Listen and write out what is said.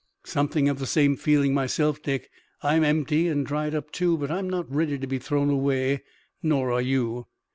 "Something of the same feeling myself, Dick. I'm empty and dried up, too, but I'm not ready to be thrown away. Nor are you.